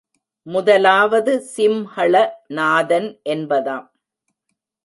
முதலாவது சிம்ஹௗ நாதன் என்பதாம்.